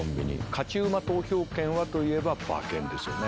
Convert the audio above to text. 勝馬投票券はといえば馬券ですよね。